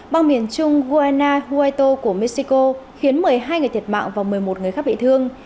bang miền trung guayna huaito của mexico khiến một mươi hai người thiệt mạng và một mươi một người khác bị thương